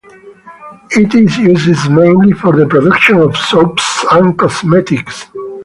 It is used mainly for the production of soaps and cosmetics.